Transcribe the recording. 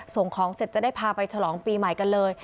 ส่งของเสร็จจะได้พาไปฉลองปีใหม่กันเลย